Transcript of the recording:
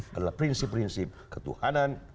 adalah prinsip prinsip ketuhanan